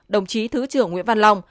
đồng chí thứ trưởng nguyễn văn long